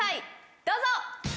どうぞ！